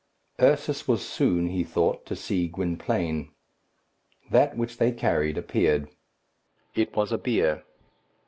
Ursus was soon, he thought, to see Gwynplaine. That which they carried appeared. It was a bier.